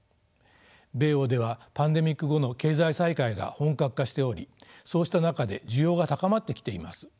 米欧ではパンデミック後の経済再開が本格化しておりそうした中で需要が高まってきています。